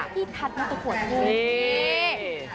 พี่ทัศน์มัตตัวขวดพูด